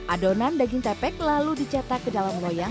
adonan daging tepek lalu dicetak ke dalam loyang